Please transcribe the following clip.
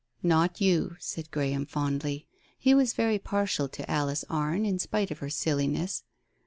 "Not you," said Graham fondly. He was very partial to Alice Arne in spite of her silliness.